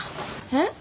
えっ？